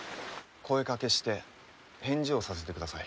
声かけして返事をさせてください。